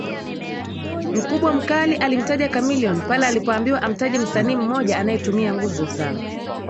mkubwa mkali alimtaja Chameleon pale alipoambiwa amtaje msanii mmoja anayetumia nguvu za